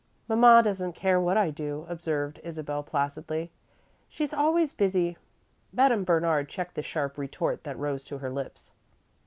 "Mamma doesn't care what I do," observed Isabel, placidly. "She's always busy." Madame Bernard checked the sharp retort that rose to her lips.